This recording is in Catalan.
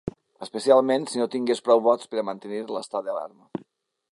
Especialment si no tingués prou vots per a mantenir l’estat d’alarma.